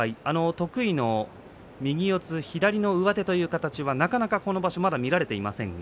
得意の右四つ左の上手という形がこの場所は見られていません。